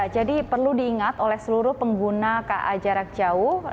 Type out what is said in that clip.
perlu diingat oleh seluruh pengguna ka jarak jauh